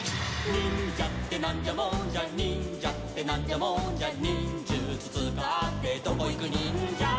「にんじゃってなんじゃもんじゃ」「にんじゃってなんじゃもんじゃ」「にんじゅつつかってどこいくにんじゃ」